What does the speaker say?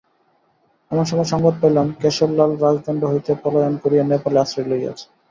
এমনসময় সংবাদ পাইলাম, কেশরলাল রাজদণ্ড হইতে পলায়ন করিয়া নেপালে আশ্রয় লইয়াছে।